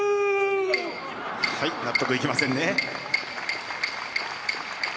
はい納得いきませんね。